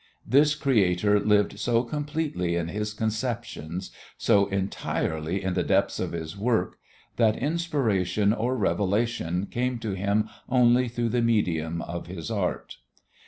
This creator lived so completely in his conceptions, so entirely in the depths of his work, that inspiration or revelation came to him only through the medium of his art.